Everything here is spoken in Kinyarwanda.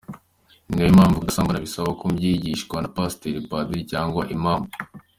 Ni nayo mpamvu kudasambana bisaba ko mbyigishwa na Pasiteri, Padiri, cyangwa Imam.